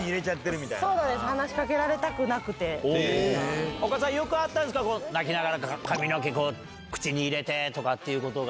そうなんです、話しかけられお母さん、よくあったんですか、泣きながら、髪の毛口に入れてとかっていうことが。